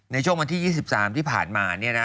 ในช่วงวันที่๒๓ที่ผ่านมา